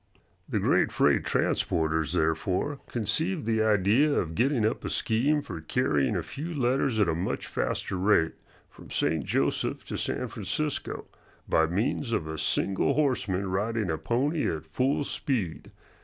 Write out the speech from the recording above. The great freight transporters, therefore, conceived the idea of getting up a scheme for carrying a few letters at a much faster rate from St. Joseph to San Francisco by means of a single horseman riding a pony at full speed.